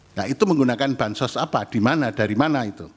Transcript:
nah itu menggunakan bansos apa di mana dari mana itu